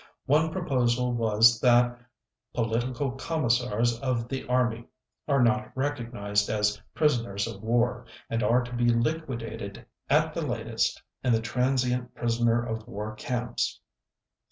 One proposal was that "political Commissars of the Army are not recognized as Prisoners of War, and are to be liquidated at the latest in the transient prisoner of war camps."